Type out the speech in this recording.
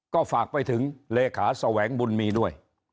ก็ฝากไปถึงเลขาแสวงบุญมีด้วย